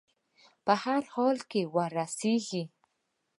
په هر حال کې وررسېږي.